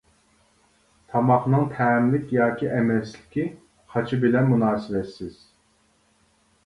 تاماقنىڭ تەملىك ياكى ئەمەسلىكى قاچا بىلەن مۇناسىۋەتسىز.